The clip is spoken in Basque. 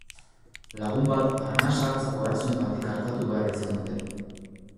Lagun bat arnasa hartzeko arazoengatik artatu behar izan dute.